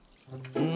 うん。